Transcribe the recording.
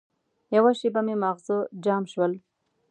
یوه شېبه مې ماغزه جام شول.